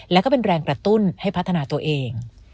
และก็เป็นแรงกระตุ้นให้พัฒนาตัวเอง